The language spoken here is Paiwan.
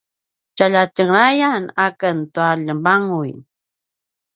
tjalja tjenglayan aken tua ljemanguy